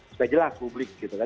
sudah jelas publik gitu kan